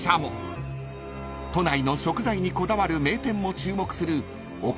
［都内の食材にこだわる名店も注目する奥